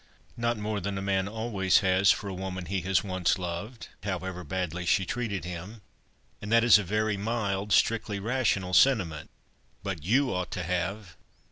"Not more than a man always has for a woman he has once loved, however badly she treated him; and that is a very mild, strictly rational sentiment; but you ought to have."